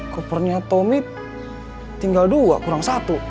kopernya tommy tinggal dua kurang satu